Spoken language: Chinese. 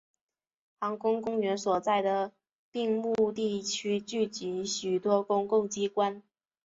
航空公园所在的并木地区聚集许多公共机关。